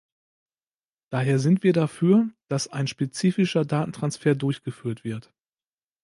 Daher sind wir dafür, dass ein spezifischer Datentransfer durchgeführt wird.